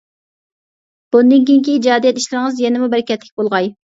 بۇندىن كېيىنكى ئىجادىيەت ئىشلىرىڭىز يەنىمۇ بەرىكەتلىك بولغاي.